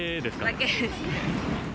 だけですね。